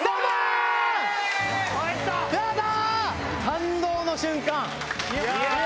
感動の瞬間！